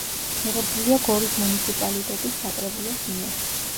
მიღებულია გორის მუნიციპალიტეტის საკრებულოს მიერ.